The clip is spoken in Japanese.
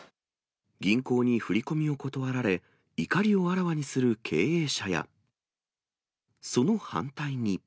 銀行に振り込みを断られ、怒りをあらわにする経営者や、その反対に。